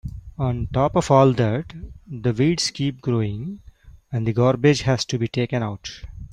On top of all that, the weeds keep growing and the garbage has to be taken out.